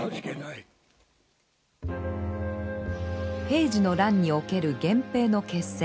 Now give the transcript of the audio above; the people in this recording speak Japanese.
平治の乱における源平の決戦。